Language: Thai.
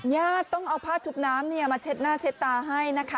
ญาติต้องเอาผ้าชุบน้ำมาเช็ดหน้าเช็ดตาให้นะคะ